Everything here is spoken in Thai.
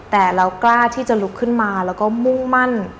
แต่เรากล้าที่จะลุกขึ้นมาแล้วก็มุ่งมั่น